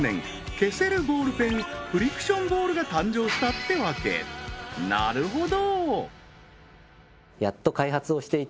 消せるボールペンフリクションボールが誕生したってわけなるほど！